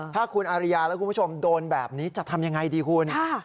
ถ้าคุณอาริยาและคุณผู้ชมโดนแบบนี้จะทำยังไงดีคุณ